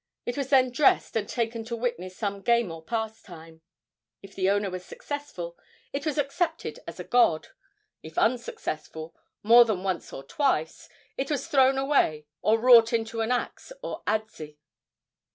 It was then dressed and taken to witness some game or pastime. If the owner was successful it was accepted as a god; if unsuccessful more than once or twice, it was thrown away or wrought into an axe or adze.